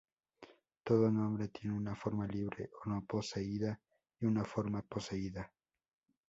Todo nombre tiene una forma libre o no poseída y una forma poseída.